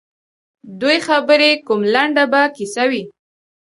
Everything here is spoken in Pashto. دوی خبري کوم لنډه به کیسه وي